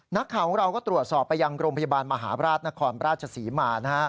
นักข่าวของเราก็ตรวจสอบไปยังโรงพยาบาลมหาบราชนครราชศรีมา